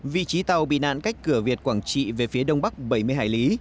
vị trí tàu bị nạn cách cửa việt quảng trị về phía đông bắc bảy mươi hải lý